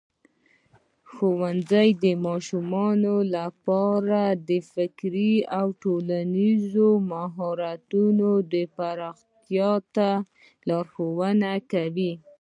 ښوونځی د ماشومانو لپاره د فکري او ټولنیزو مهارتونو پراختیا ته لارښوونه کوي.